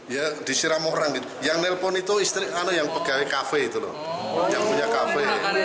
ya disiram orang yang nelpon itu istri anak yang pegawai kafe itu loh yang punya kafe